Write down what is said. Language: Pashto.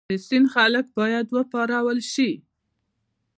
د سند خلک باید وپارول شي.